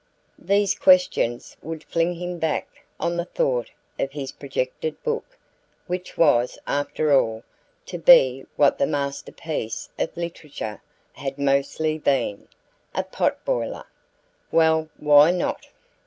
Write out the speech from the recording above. These questions would fling him back on the thought of his projected book, which was, after all, to be what the masterpieces of literature had mostly been a pot boiler. Well! Why not?